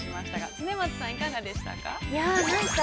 恒松さん、いかがでしたか。